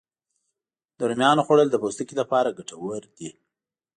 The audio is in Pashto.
د رومیانو خوړل د پوستکي لپاره ګټور دي